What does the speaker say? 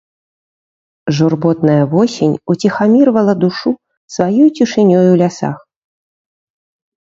Журботная восень уціхамірвала душу сваёю цішынёй у лясах.